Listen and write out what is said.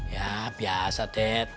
ya biasa dad